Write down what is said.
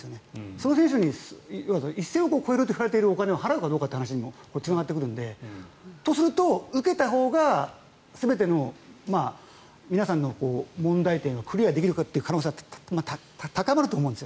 その選手に一線を越えるというお金を払うかどうかという話にもつながってくるのでとすると受けたほうが全ての皆さんの問題点をクリアできるかという可能性は高まると思うんです。